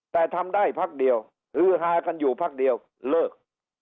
แต่ทำได้พักเดียวฮือฮากันอยู่พักเดียวเลิก